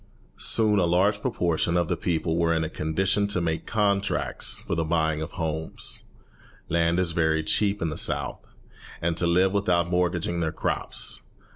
Soon a large proportion of the people were in a condition to make contracts for the buying of homes (land is very cheap in the South) and to live without mortgaging their crops.